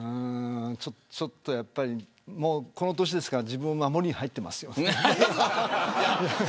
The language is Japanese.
ちょっとやっぱりこの年ですから自分を守りに入ってますよね。